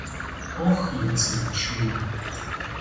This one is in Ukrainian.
Ох, я це відчула.